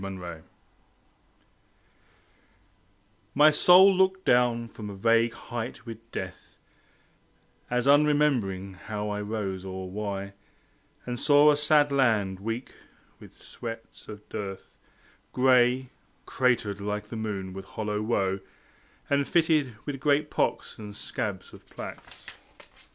The Show My soul looked down from a vague height with Death, As unremembering how I rose or why, And saw a sad land, weak with sweats of dearth, Gray, cratered like the moon with hollow woe, And fitted with great pocks and scabs of plaques.